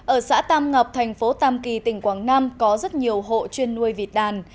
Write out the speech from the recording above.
ở xã tam ngọc thành phố tam kỳ tỉnh quảng nam có rất nhiều hộ chuyên nuôi vịt đàn